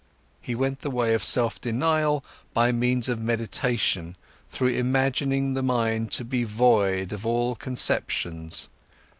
He went the way of self denial by means of meditation, through imagining the mind to be void of all conceptions.